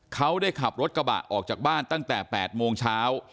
เขาได้ขับรถกระบะออกจากบ้านตั้งแต่๘โมงเช้า